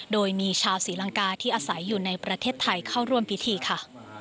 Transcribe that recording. โดยมีชาวศรีลังกาที่อาศัยอยู่ในประเทศไทยเข้าร่วมพิธีค่ะ